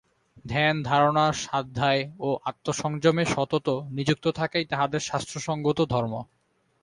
ধ্যান, ধারণা, স্বাধ্যায় ও আত্মসংযমে সতত নিযুক্ত থাকাই তাঁহাদের শাস্ত্রসঙ্গত ধর্ম।